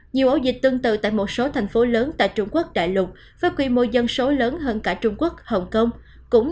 nhiều ổ dịch tương tự tại một số thành phố lớn tại trung quốc đại lục với quy mô dân số lớn hơn cả trung quốc hồng kông cũng